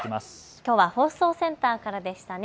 きょうは放送センターからでしたね。